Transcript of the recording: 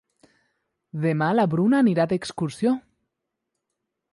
Demà na Bruna irà d'excursió.